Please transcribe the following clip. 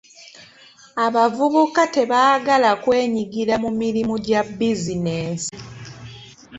Abavubuka tebaagala kwenyigira mu mirimu gya bizinensi.